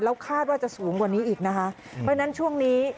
แล้วคาดว่าจะสูงกว่านี้อีกนะคะเพราะฉะนั้นช่วงนี้